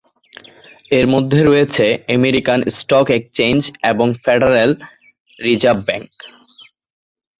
এর মধ্যে রয়েছে আমেরিকান স্টক এক্সচেঞ্জ এবং ফেডারেল রিজার্ভ ব্যাংক।